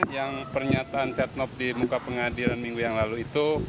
yang pernyataan setnov di muka pengadilan minggu yang lalu itu